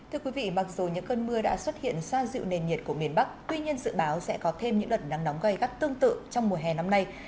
thưa quý vị mặc dù những cơn mưa đã xuất hiện sa dịu nền nhiệt của miền bắc tuy nhiên dự báo sẽ có thêm những đợt nắng nóng gây gắt tương tự trong mùa hè năm nay